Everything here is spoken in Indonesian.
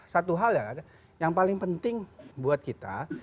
satu hal ya yang paling penting buat kita